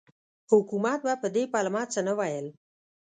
حکومت به په دې پلمه څه نه ویل.